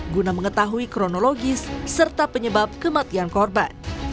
guna mengetahui kronologis serta penyebab kematian korban